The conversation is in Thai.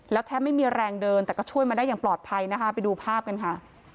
แล้วแทบไม่มีแรงเดินแต่ก็ช่วยมาได้อย่างปลอดภัยนะคะไปดูภาพกันค่ะ